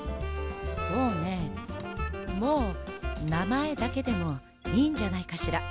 もうなまえだけでもいいんじゃないかしら。